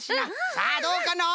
さあどうかのう？